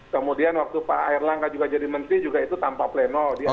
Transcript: kemudian waktu pak erlangga juga jadi menteri juga itu tanpa pleno